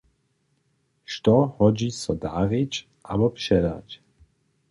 Što hodźi so darić abo předać?